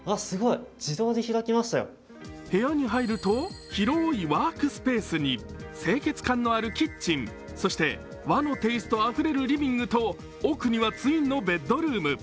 部屋に入ると広いワークスペースに清潔感のあるキッチン、そして和のテイストあふれるリビングと奥にはツインのベッドルーム。